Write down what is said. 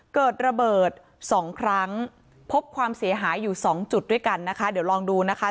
เกิดระเบิดสองครั้งพบความเสียหายอยู่สองจุดด้วยกันนะคะเดี๋ยวลองดูนะคะ